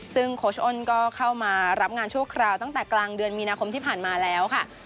ซึ่งโค้ชอ้นก็เข้ามารับงานชั่วคราวตั้งแต่กลางเดือนมีนาคมที่ผ่านมาแล้วค่ะ